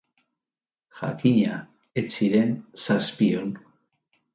Jakina, ez ziren zazpiehun.